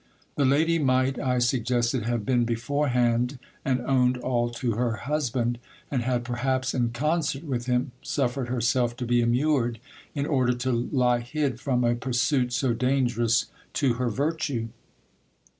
The lady might, I suggested, have been beforehand, and owned all to her husband ; and had perhaps, in concert with him, suffered herself to be immured, in order to lie hid from a pursuit so dangerous to her virtue.